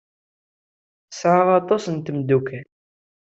Tesɛa aṭas n tmeddukal.